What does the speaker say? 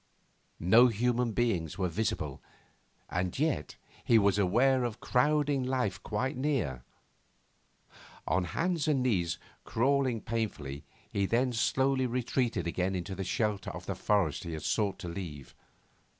No human beings were visible, and yet he was aware of crowding life quite near. On hands and knees, crawling painfully, he then slowly retreated again into the shelter of the forest he had sought to leave.